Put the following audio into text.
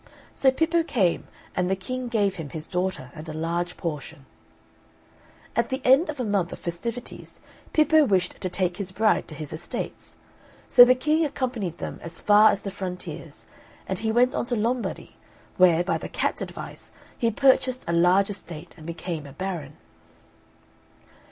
So Pippo came, and the King gave him his daughter and a large portion. At the end of a month of festivities, Pippo wished to take his bride to his estates, so the King accompanied them as far as the frontiers; and he went on to Lombardy, where, by the cat's advice, he purchased a large estate and became a baron.